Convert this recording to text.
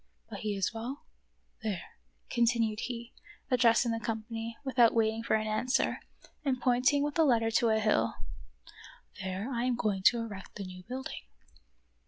But he is well 1 There," continued he, addressing the of Peter Schlemihl. 3 company, without waiting for an answer,^ and pointing with the letter to a hill, "there I am going to erect the new building."